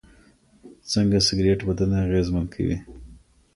څنګه سګریټ بدن اغېزمن کوي؟